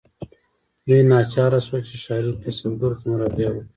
دوی ناچاره شول چې ښاري کسبګرو ته مراجعه وکړي.